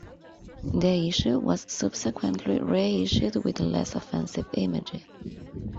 The issue was subsequently re-issued with a less offensive image.